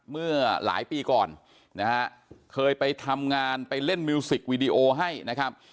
เมื่อหลายปีก่อนนะฮะเคยไปทำงานไปเล่นมิวสิกวีดีโอให้นะครับ